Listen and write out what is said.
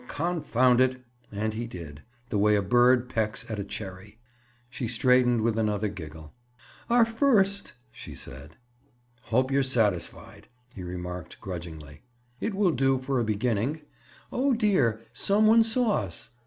Confound it." And he did—the way a bird pecks at a cherry. She straightened with another giggle. "Our first!" she said. "Hope you're satisfied," he remarked grudgingly. "It will do for a beginning. Oh, dear! some one saw us!"